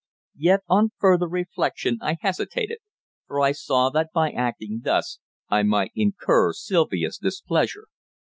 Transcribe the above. Yet, on further reflection, I hesitated, for I saw that by acting thus I might incur Sylvia's displeasure.